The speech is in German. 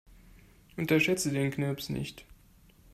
Unterschätze den Knirps nicht.